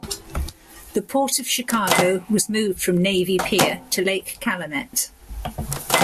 The Port of Chicago was moved from Navy Pier to Lake Calumet.